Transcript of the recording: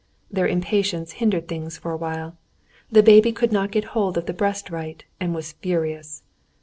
Their impatience hindered things for a while. The baby could not get hold of the breast right, and was furious.